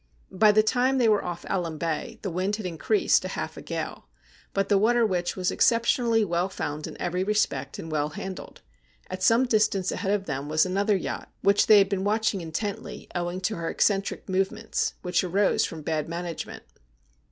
By the time they were off Alum Bay the wind had increased to half a gale, but the ' Water Witch ' was exceptionally well found in every respect, and well handled. At some distance ahead of them was another yacht, which they had been watching intently, owing to her eccentric movements, which arose from bad management.